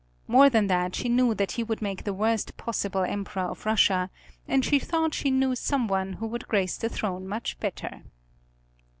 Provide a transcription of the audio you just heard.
More than that she knew that he would make the worst possible Emperor of Russia, and she thought she knew some one who would grace the throne much better.